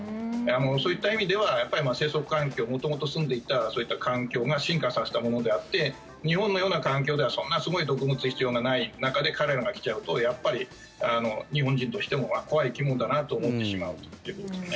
そういった意味では生息環境元々すんでいたそういった環境が進化させたものであって日本のような環境ではそんなすごい毒を持つ必要がない中で彼らが来ちゃうとやっぱり日本人としても怖い生き物だなと思ってしまうということですね。